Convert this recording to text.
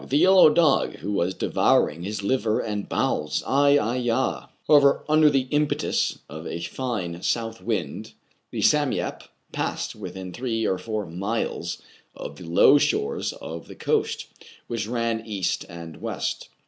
the yellow dog, who was devouring his liver and bowels ! "Ai, ai, ya !" However, under the impetus of a fine south wind, the " Sam Yep " passed within three or four miles of the low shores of the coast, which ran east and west.